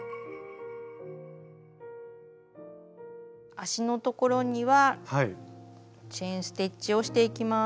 足のところにはチェーン・ステッチをしていきます。